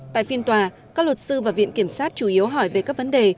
tại phiên tòa các luật sư và viện kiểm sát chủ yếu hỏi về các vấn đề